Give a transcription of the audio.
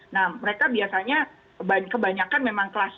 nah mereka biasanya kebanyakan memang kelas